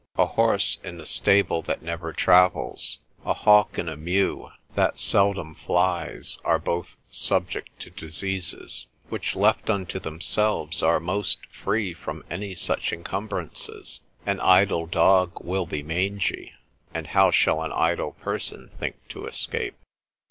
A horse in a stable that never travels, a hawk in a mew that seldom flies, are both subject to diseases; which left unto themselves, are most free from any such encumbrances. An idle dog will be mangy, and how shall an idle person think to escape?